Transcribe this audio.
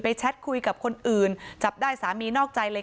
แชทคุยกับคนอื่นจับได้สามีนอกใจเลย